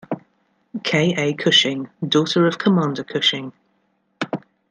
K. A. Cushing, daughter of Commander Cushing.